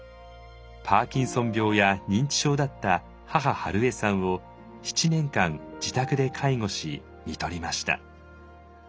パーキンソン病や認知症だった母春恵さんを７年間自宅で介護しみとりました。